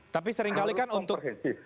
tapi seringkali kan untuk